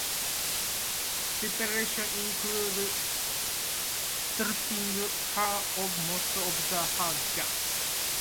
Preparation included stripping her of most of her guns.